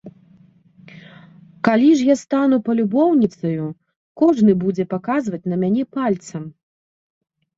Калі ж я стану палюбоўніцаю, кожны будзе паказваць на мяне пальцам.